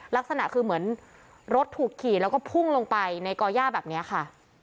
ลักษณะคือเหมือนรถถูกขี่แล้วก็พุ่งลงไปในก่อย่าแบบนี้ค่ะ